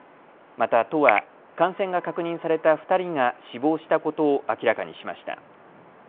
また都は感染が確認された２人が死亡したことを明らかにしました。